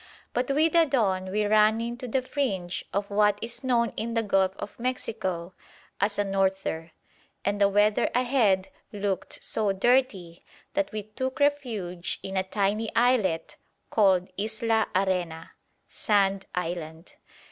But with the dawn we ran into the fringe of what is known in the Gulf of Mexico as a "norther"; and the weather ahead looked so dirty that we took refuge in a tiny islet called Isla Arena (Sand Island).